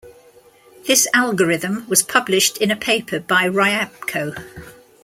This algorithm was published in a paper by Ryabko.